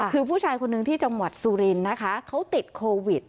คือผู้ชายคนหนึ่งที่จังหวัดสุรินทร์นะคะเขาติดโควิด